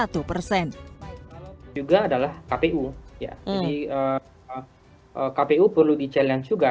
kepala kpu juga perlu di challenge juga